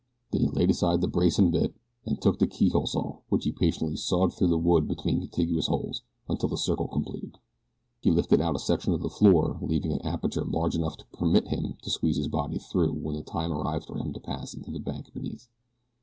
Then he laid aside the brace and bit, and took the keyhole saw, with which he patiently sawed through the wood between contiguous holes, until, the circle completed, he lifted out a section of the floor leaving an aperture large enough to permit him to squeeze his body through when the time arrived for him to pass into the bank beneath.